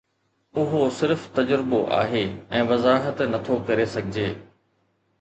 اهو صرف تجربو آهي ۽ وضاحت نه ٿو ڪري سگهجي